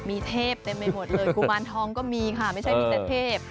มีเทพเต็มไปหมดเลยกุมารทองก็มีค่ะไม่ใช่มีแต่เทพ